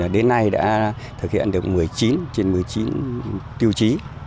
đến nay đã thực hiện được một mươi chín trên một mươi chín tiêu chí